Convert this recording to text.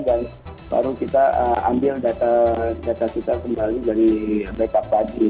dan lalu kita ambil data kita kembali dari backup lagi